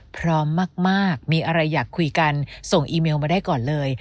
พร้อมมากมีอะไรอยากคุยกันส่งอีเมลมาได้ก่อนเลย